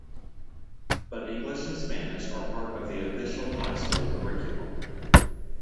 But English and Spanish are part of the official high school curriculum.